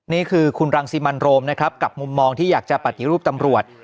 นี่คือคุณรังสิมันโรมนะครับกับมุมมองที่อยากจะปฏิรูปตำรวจ